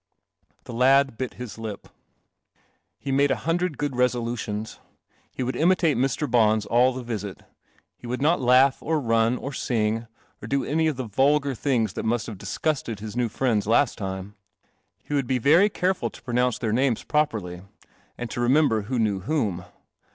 The lad bit his lip. He made a hundred good resolutions. He would imitate Mr. Bons all the visit. He would not laugh, or run, or sing, or do any of the vulgar things that must have disgusted his new friends last time. He would be very careful to pronounce their names properly, and to remember who knew whom.